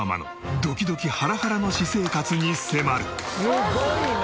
すごいね！